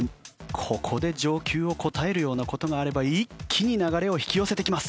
ここで上級を答えるような事があれば一気に流れを引き寄せてきます。